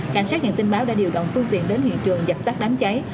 cảnh sát hiện tin báo đã điều động phương tiện đến hiện trường giặt tắt đám cháy